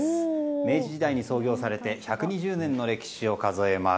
明治時代に創業されて１２０年の歴史を数えます。